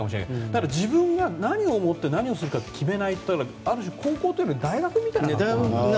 だから、自分が何を思って何をするかって決めないとある種、高校というか大学みたいな感じに。